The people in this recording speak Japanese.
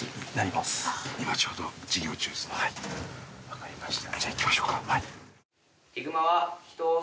わかりました。